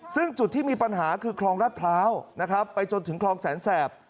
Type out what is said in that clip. ซึ่งจุดที่มีปัญหาคือคลองราชพร้าวนะครับไปจนถึงคลองแสนแสบ